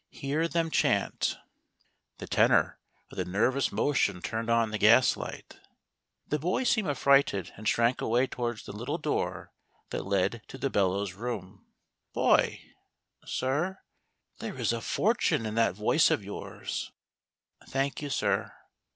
Hear them chant "— 12 HOW DOT HEARD " THE MESSIAH.' The Tenor with a nervous motion turned on the gas light The boy seemed affrighted, and shrank away towards the little door that led to the bellows room. " Boy !"" Sir?" " There is a fortune in that voice of yours." " Thank you, sir."